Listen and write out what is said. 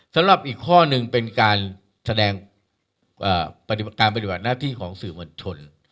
สำหรับอีกข้อหนึ่งเป็นการแสดงปฏิบัติการปฏิบัติหน้าที่ของสื่อมวลชน